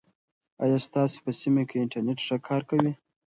آیا ستاسو په سیمه کې انټرنیټ ښه کار کوي؟